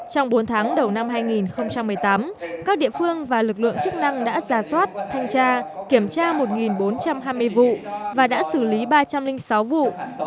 trong bốn tháng đầu năm hai nghìn một mươi tám các địa phương và lực lượng chức năng đã giả soát thanh tra kiểm tra một bốn trăm hai mươi vụ và đã xử lý ba trăm linh sáu vụ